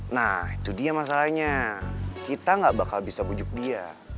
nah itu dia masalahnya kita gak bakal bisa bujuk dia